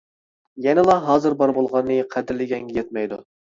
يەنىلا ھازىر بار بولغاننى قەدىرلىگەنگە يەتمەيدۇ.